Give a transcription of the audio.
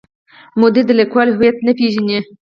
مدیر د لیکوال هویت نه پیژني.